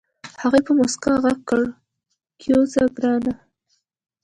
هغې په موسکا غږ کړ کېوځه ګرانه.